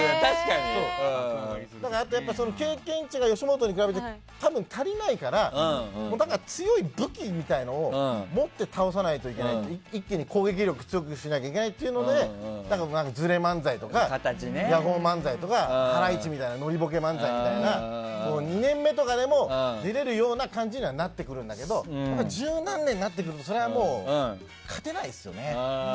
経験値が吉本に比べて足りないからだから、強い武器みたいなのを持って倒さないといけない一気に攻撃力強くしなきゃいけないっていうのでずれ漫才とか、ヤホー漫才とかハライチみたいなノリボケ漫才みたいな２年目とかでも出れるような感じにはなってくるんだけど十何年になってくるとそりゃもう勝てないですよね。